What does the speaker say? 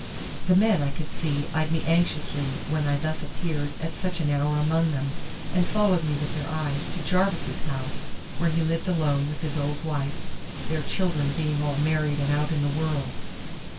The men, I could see, eyed me anxiously when I thus appeared at such an hour among them, and followed me with their eyes to Jarvis's house, where he lived alone with his old wife, their children being all married and out in the world.